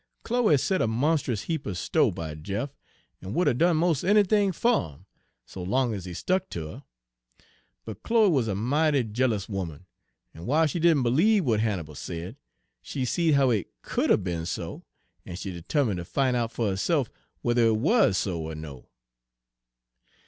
"Chloe set a monst'us heap er sto' by Jeff, en would 'a' done mos' anythin' fer'im, so long ez he stuck ter her. But Chloe wuz a mighty jealous 'oman, en w'iles she didn' b'liebe w'at Hannibal said, she seed how it could 'a' be'n so, en she 'termine' fer ter fin' out fer herse'f whuther it wuz so er no.